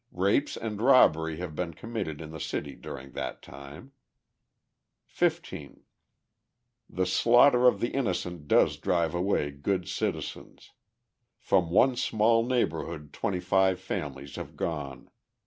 Rapes and robbery have been committed in the city during that time. 15. The slaughter of the innocent does drive away good citizens. From one small neighbourhood twenty five families have gone.